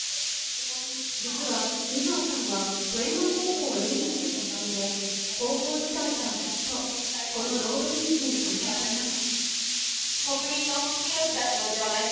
実は瑞穂さんは富山高校演劇部出身で、高校時代からずっとこの朗読劇に参加しています。